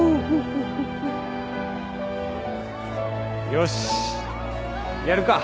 よしやるか。